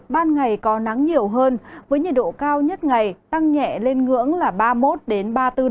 ban ngày có nắng nhiều hơn với nhiệt độ cao nhất ngày tăng nhẹ lên ngưỡng là ba mươi một ba mươi bốn độ